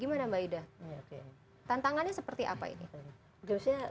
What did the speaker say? gimana mbak ida tantangannya seperti apa ini